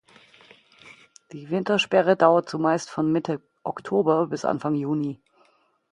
Die Wintersperre dauert zumeist von Mitte Oktober bis Anfang Juni.